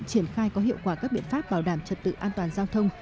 triển khai có hiệu quả các biện pháp bảo đảm trật tự an toàn giao thông